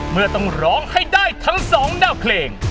เมื่อต้องร้องให้ได้ทั้งสองแนวเพลง